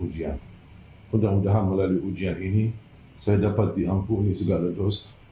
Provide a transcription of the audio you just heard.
dan mudah mudahan hujan ini berlalu